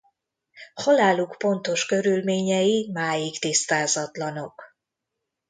Haláluk pontos körülményei máig tisztázatlanok.